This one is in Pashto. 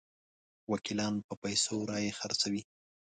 وکیلان په پیسو رایې خرڅوي.